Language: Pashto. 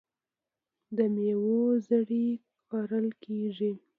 د میوو زړې کرل کیږي.